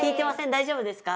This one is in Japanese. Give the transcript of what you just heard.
大丈夫ですか？